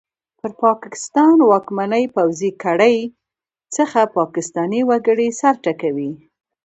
پر پاکستان واکمنې پوځي کړۍ څخه پاکستاني وګړي سر ټکوي!